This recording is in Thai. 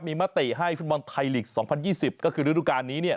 มีมติให้ฟุตบอลไทยลีก๒๐๒๐ก็คือฤดูการนี้